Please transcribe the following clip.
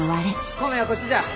米はこっちじゃ。